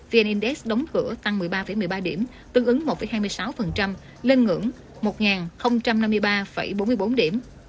vn index đóng cửa tăng một mươi ba một mươi ba điểm tương ứng một hai mươi sáu lên ngưỡng một năm mươi ba bốn mươi bốn điểm